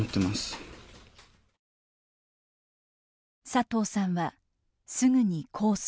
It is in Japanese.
佐藤さんはすぐに控訴。